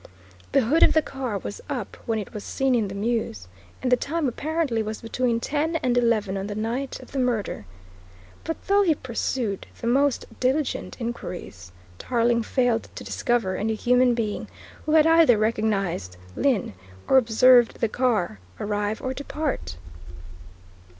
The hood of the car was up when it was seen in the mews and the time apparently was between ten and eleven on the night of the murder. But though he pursued the most diligent inquiries, Tarling failed to discover any human being who had either recognised Lyne or observed the car arrive or depart.